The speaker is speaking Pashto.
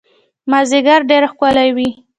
مازیګر ډېر ښکلی وي